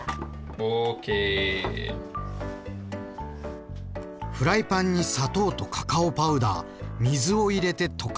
ＯＫ．フライパンに砂糖とカカオパウダー水を入れて溶かします。